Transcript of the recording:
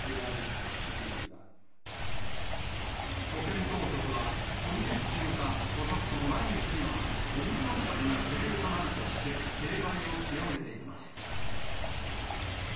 保健当局は、今月中か、遅くとも来月には、オミクロン株が主流となるとして、警戒を強めています。